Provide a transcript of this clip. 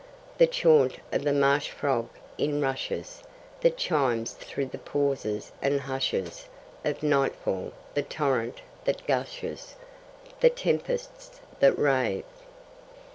The chaunt of the marsh frog in rushes, That chimes through the pauses and hushes Of nightfall, the torrent that gushes, The tempests that rave.